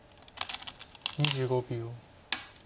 ２５秒。